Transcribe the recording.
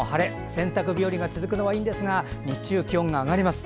洗濯日和が続くのはいいんですが日中、気温が上がります。